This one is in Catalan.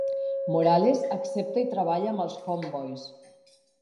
Morales accepta i treballa amb els Homeboys.